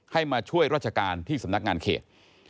ให้มาช่วยราชการที่สำนักงานเขต